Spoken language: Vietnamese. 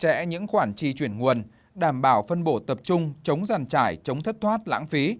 chặt chẽ những khoản chi chuyển nguồn đảm bảo phân bổ tập trung chống giàn trải chống thất thoát lãng phí